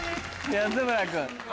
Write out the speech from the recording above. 安村君。